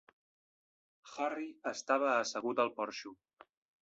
Harry estava assegut al porxo.